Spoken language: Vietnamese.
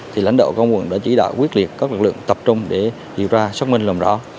thì lãnh đạo công vận đã chỉ đạo quyết liệt các lực lượng tập trung để điều tra xác minh lùm rõ